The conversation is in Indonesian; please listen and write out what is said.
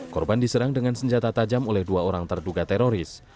korban diserang dengan senjata tajam oleh dua orang terduga teroris